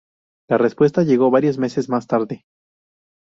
La respuesta llegó varios meses más tarde.